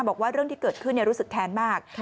บอกว่าเรื่องที่เกิดขึ้นรู้สึกแค้นมาก